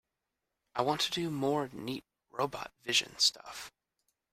I want to do more neat robot vision stuff.